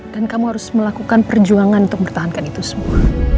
dan kamu harus melakukan perjuangan untuk bertahankan itu semua